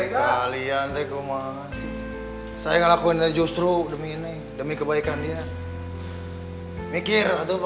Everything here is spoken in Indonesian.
kami mau untuk bekerja